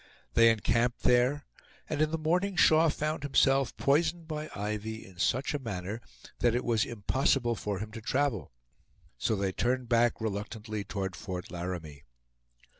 They encamped there, and in the morning Shaw found himself poisoned by ivy in such a manner that it was impossible for him to travel. So they turned back reluctantly toward Fort Laramie.